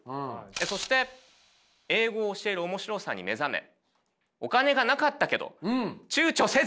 そして英語を教える面白さに目覚めお金がなかったけど躊躇せず。